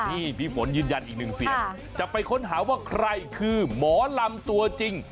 นี่พี่ฝนยืนยันอีกหนึ่งเสียงจะไปค้นหาว่าใครคือหมอลำตัวจริง